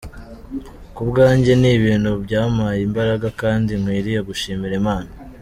Ku bwanjye ni ibintu byampaye imbaraga kandi nkwiriye gushimira Imana.